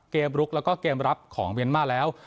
ลุกแล้วก็เกมรับของเมียนมาร์แล้ว